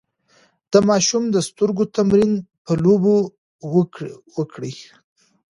د ماشوم د سترګو تمرين په لوبو وکړئ.